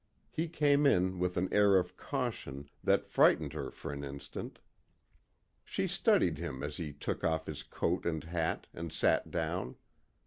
He came in with an air of caution, that frightened her for an instant. She studied him as he took off his coat and hat and sat down.